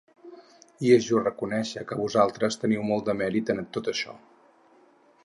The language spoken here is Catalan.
I és just reconèixer que vosaltres teniu molt de mèrit en tot això.